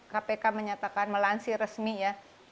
kpk menyatakan melansir resmi ya